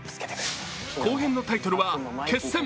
後編のタイトルは「−決戦−」。